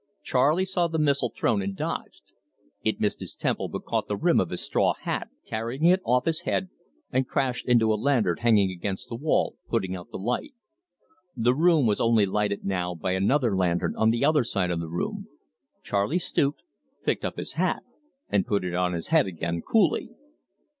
Charley saw the missile thrown and dodged. It missed his temple, but caught the rim of his straw hat, carrying it off his head, and crashed into a lantern hanging against the wall, putting out the light. The room was only lighted now by another lantern on the other side of the room. Charley stooped, picked up his hat, and put it on his head again coolly.